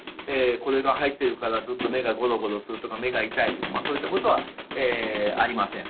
これが入ってるからずっと目がゴロゴロするとか目が痛いとかそういったことはありません。